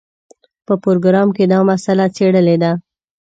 په پروګرام کې دا مسله څېړلې ده.